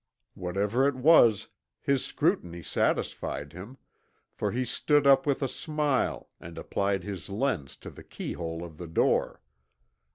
Whatever it was, his scrutiny satisfied him, for he stood up with a smile and applied his lens to the key hole of the door.